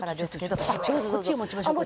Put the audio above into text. こっち持ちましょうか？